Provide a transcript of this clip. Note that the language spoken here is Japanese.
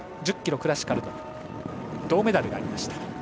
１０ｋｍクラシカルで銅メダルがありました。